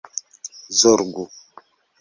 zorgu